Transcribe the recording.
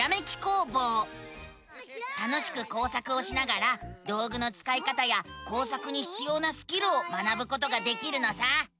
楽しく工作をしながら道ぐのつかい方や工作にひつようなスキルを学ぶことができるのさ！